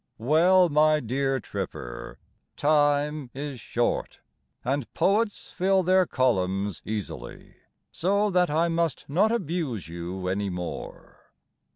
Well, my dear Tripper, Time is short, And poets fill their columns easily, So that I must not abuse you any more.